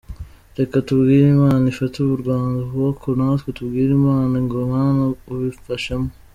Reka tubwire Imana ifate u Rwanda ukuboko; natwe tubwire Imana ngo Mana ubimfashemo".